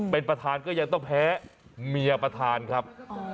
เป็นประธานก็ยังต้องแพ้เมียประธานครับ